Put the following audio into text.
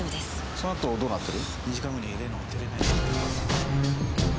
その後どうなってる？